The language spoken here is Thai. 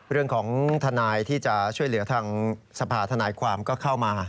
เรื่องของทนายที่จะช่วยเหลือทางสภาธนายความก็เข้ามา